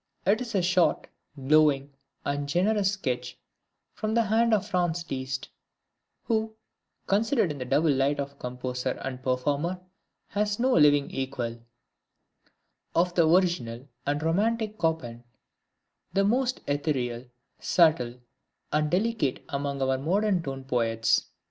It is a short, glowing, and generous sketch, from the hand of Franz Liszt, (who, considered in the double light of composer and performer, has no living equal,) of the original and romantic Chopin; the most ethereal, subtle, and delicate among our modern tone poets.